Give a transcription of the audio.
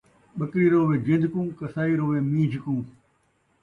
ٻکری رووے جن٘د کوں قصائی رووے مین٘جھ کوں